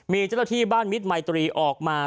มีเจ้าหน้าที่บ้านมิตรมัยตรีออกมา